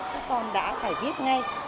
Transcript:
các con đã phải viết ngay